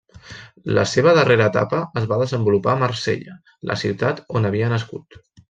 La seva darrera etapa es va desenvolupar a Marsella, la ciutat on havia nascut.